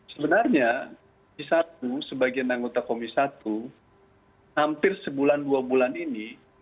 sebenarnya di satu sebagian anggota komisi satu hampir sebulan dua bulan ini